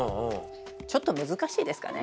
ちょっと難しいですかね。